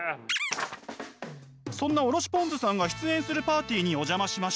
そんなおろしぽんづさんが出演するパーティーにお邪魔しました。